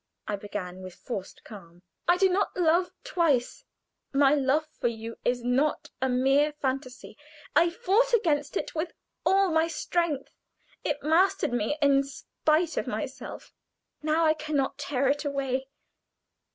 I began, with forced calm. "I do not love twice. My love for you is not a mere fancy I fought against it with all my strength; it mastered me in spite of myself now I can not tear it away.